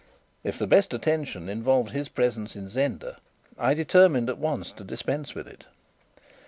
If the best attention involved his presence in Zenda, I determined at once to dispense with it.